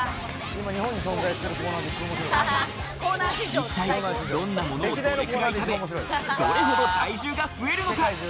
一体どんなものをどれくらい食べ、どれほど体重が増えるのか？